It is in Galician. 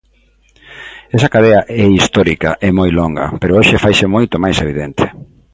Esa cadea é histórica e moi longa, pero hoxe faise moito máis evidente.